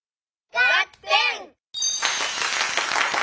ガッテン！